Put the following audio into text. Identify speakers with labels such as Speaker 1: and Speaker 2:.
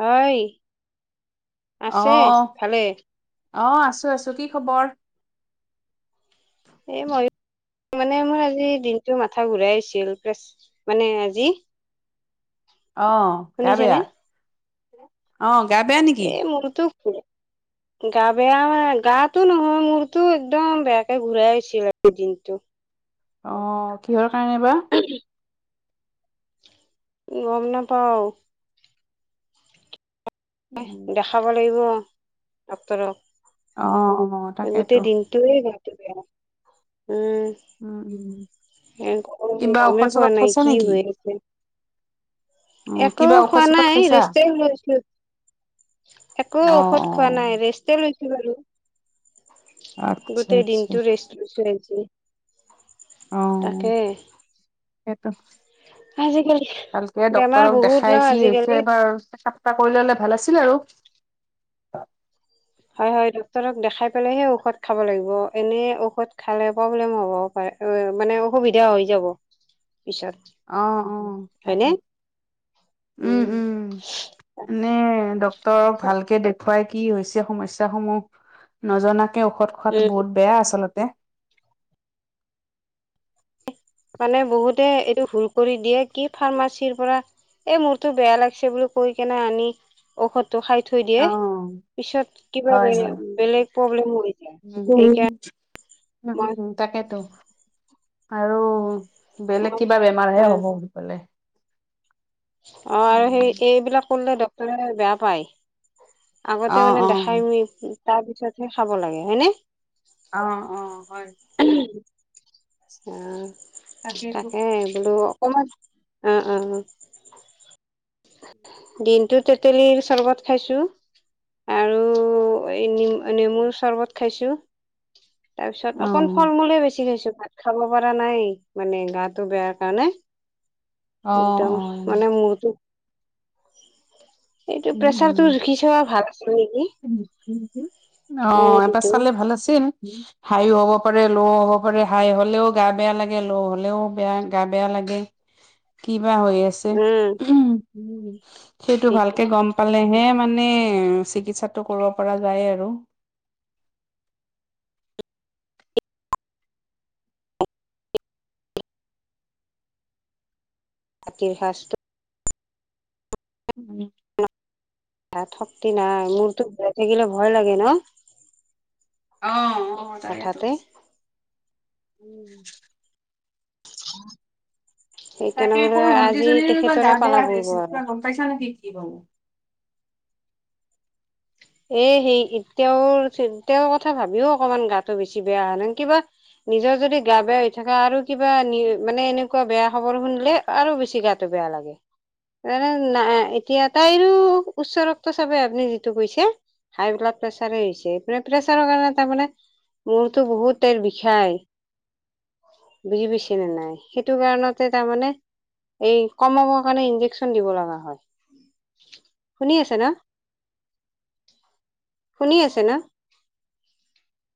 Speaker 1: হয় আছে
Speaker 2: অঁ,
Speaker 1: ভালে
Speaker 2: অঁ আছো আছো কি খবৰ?
Speaker 1: এ মইও মানে মোৰ আজি দিনটো মাথা ঘূৰাই গৈছিল মানে আজি।
Speaker 2: অঁ গা
Speaker 1: শুনিছেনে
Speaker 2: বেয়া, অঁ গা বেয়া নেকি?
Speaker 1: মোৰটো ঘূৰে গা বেয়া গাটো নহয় মোৰতো একদম বেয়াকে ঘূৰাই আছিল দিনটো।
Speaker 2: অ কিহৰ কাৰণে বা।
Speaker 1: উম গম নাপাওঁ। তই
Speaker 2: উম,
Speaker 1: দেখাব লাগিব ডক্তৰক
Speaker 2: অঁ অঁ তাকেইতো।
Speaker 1: তেঁওৰো গাটো বেয়া উম।
Speaker 2: উম উম
Speaker 1: এ
Speaker 2: কিবা ঔষধ
Speaker 1: গমে পোৱা
Speaker 2: চৌষধ
Speaker 1: নাই
Speaker 2: খাইছা
Speaker 1: কি
Speaker 2: নেকি
Speaker 1: হৈ আছে।
Speaker 2: অহ
Speaker 1: একো
Speaker 2: কিবা ঔষধ
Speaker 1: খোৱা
Speaker 2: চৌষধ
Speaker 1: নাই
Speaker 2: খাইছা
Speaker 1: ৰেষ্ট লৈ আছিলো। একো
Speaker 2: অহ
Speaker 1: ঔষধ খোৱা
Speaker 2: অহ
Speaker 1: নাই ৰেষ্টে লৈছো বাৰু
Speaker 2: আচ্ছা
Speaker 1: গোটেই
Speaker 2: আচ্ছা
Speaker 1: দিনতটো ৰেষ্ট। বস্তু কিনিছিলি
Speaker 2: অহ
Speaker 1: তাকে।
Speaker 2: সেইটো,
Speaker 1: আজিকালি
Speaker 2: ভালকে
Speaker 1: বেমাৰ
Speaker 2: ডক্তক
Speaker 1: বহুত ন
Speaker 2: দেখাই কি হৈছে
Speaker 1: আজিকালি
Speaker 2: এবাৰ টা কৰিলে ললে ভাল আছিল আৰু।
Speaker 1: হয় হয় ডক্তৰক দেখাই পেলাইহে ঔষধ খাব লাগিব, এনেই ঔষধ খালে প্ৰব্লেম হ'ব। হয় মানে অসুবিধা হৈ যাব পিছত।
Speaker 2: অঁ অঁ
Speaker 1: হয়নে
Speaker 2: তাকেই উম উম। মানে ডক্তৰক ভালকে দেখুৱাই কি হৈছে সমস্যা সমূহ নজনাকে ঔষধ খোৱাত
Speaker 1: উম
Speaker 2: বহুত বেয়া আচলতে।
Speaker 1: মানে বহুতে এইটো ভুল কৰি দিয়ে, কি ফাৰ্মাচীৰ পৰা এ মূৰতটো বেয়া লাগিছে বুলি কৈ কেনে আনি ঔষধটো খাই থৈ দিয়ে।
Speaker 2: অ',
Speaker 1: পিছত কিবা
Speaker 2: হয়,
Speaker 1: বেলে
Speaker 2: হয়।
Speaker 1: বেলেগ প্ৰব্লেম হৈ যায়,
Speaker 2: উম,
Speaker 1: সেইকা
Speaker 2: [unintelligible] তাকেতো আৰু বেলেগ
Speaker 1: মই
Speaker 2: কিবা বেমাৰহে হ'ব বুলি কলে।
Speaker 1: অঁ আৰু
Speaker 2: উম,
Speaker 1: সেই এইবিলাক কৰিলে ডক্তৰে বেয়া পায়। আগতে
Speaker 2: অ',
Speaker 1: মানে
Speaker 2: অ'।
Speaker 1: দেখাইমিনি তাৰ পিছতহে খাব লাগে হয়নে?
Speaker 2: অঁ অঁ হয়।
Speaker 1: অঁ,
Speaker 2: তাকেইতো
Speaker 1: তাকে বোলো অকমান অঁ অঁ দিনটো তেতেলীৰ চৰ্বত খাইছো। আৰু এই নিম নেমুৰ চৰ্বত খাইছোঁ। তাৰ পিছত অকন
Speaker 2: অ',
Speaker 1: ফল মূলহে বেছি খাইছো। খাব পৰা নাই মানে গাটো বেয়াৰ কাৰণে,
Speaker 2: অ',
Speaker 1: একদম
Speaker 2: অ'।
Speaker 1: মানে মোৰতো, এইটো প্ৰেচাৰতটো জুখি চোৱা ভাল আছিল নেকি? এ
Speaker 2: অঁ এবাৰ
Speaker 1: এইটো
Speaker 2: চালে ভাল আছিল। হাইও হ'ব পাৰে ল' হ'ব পাৰে হাই হ'লেও গা বেয়া লাগে ল' হলেও বেয়া গা বেয়া লাগে। কিবা হৈ আছে,
Speaker 1: উম
Speaker 2: সেইটো
Speaker 1: এইটো
Speaker 2: ভালকে গম পালেহে মানে চিকিৎসাটো কৰিব পৰা যায় আৰু।
Speaker 1: বাকী সাজটো
Speaker 2: উম
Speaker 1: গাত শক্তি নাই মূৰতো ঘূৰাই থাকিলে ভয় লাগে ন।
Speaker 2: অ অ তাকেইতো,
Speaker 1: হঠাতে
Speaker 2: উম। তাকে
Speaker 1: সেইকাৰণে হলে
Speaker 2: সৰু
Speaker 1: আজি তেখেতৰে পালা পৰিব আৰু।
Speaker 2: পইচা নে দি থি বু।
Speaker 1: এ সেই তেওঁৰ - তেওঁৰ কথা ভাবিও অকমান গাটো বেছি বেয়া হয় ন কিবা নিজৰ যদি গা বেয়া হৈ থকা আৰু কিবা নি মানে এনেকুৱা বেয়া খবৰ শুনিলে আৰু বেছি গাটো বেয়া লাগে। তা না নাই এতিয়া তাইৰো উচ্চ ৰক্ত চাপে আপুনি যি টো গৈছে হাই ব্লাড প্ৰেছাৰ হৈছে এই প্ৰেছাৰৰ কাৰণে তাৰমানে মূৰতো বহুততেৰ বিষায়। বুজি পাইছে নে নাই? সেইটো কাৰণতে তাৰমানে এই কমাবৰ কাৰণে ইনজেকচন দিব লগা হয়, শুনি আছে না? শুনি আছে না?